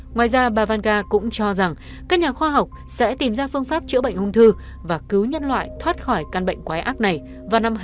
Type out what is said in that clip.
ngoài ra bà văn gà cũng cho rằng các nhà khoa học sẽ tìm ra phương pháp chữa bệnh ung thư và cứu nhân loại thoát khỏi căn bệnh quái ác này vào năm hai nghìn hai mươi bốn